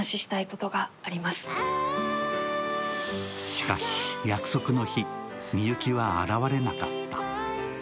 しかし約束の日、みゆきは現れなかった。